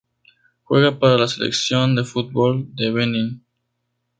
Juega para la selección de fútbol de Benín.